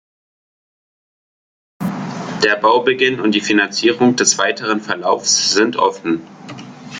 Der Baubeginn und die Finanzierung des weiteren Verlaufs sind offen.